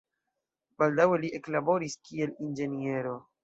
Baldaŭe li eklaboris, kiel inĝeniero.